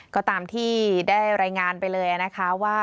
ก็ตามที่ได้รายงานไปเลยนะคะว่า